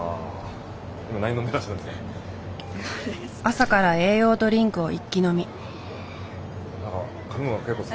朝から栄養ドリンクを一気飲み。